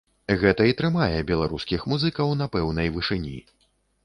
Гэта і трымае беларускіх музыкаў на пэўнай вышыні.